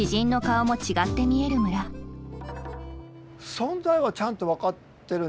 存在はちゃんと分かってるんだよね。